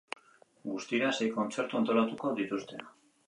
Guztira sei kontzertu antolatuko dituzte.